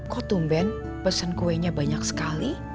kok tumben pesen kuenya banyak sekali